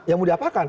ya mau diapakan